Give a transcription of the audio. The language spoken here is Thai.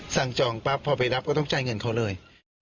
จองปั๊บพอไปรับก็ต้องจ่ายเงินเขาเลย